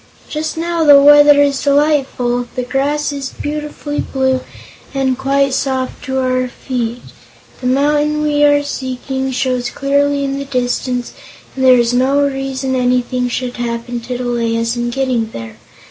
Just now the weather is delightful; the grass is beautifully blue and quite soft to our feet; the mountain we are seeking shows clearly in the distance and there is no reason anything should happen to delay us in getting there.